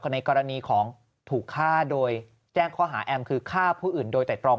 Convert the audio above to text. ในกรณีของถูกฆ่าโดยแจ้งข้อหาแอมคือฆ่าผู้อื่นโดยแต่ตรอง